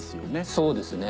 そうですね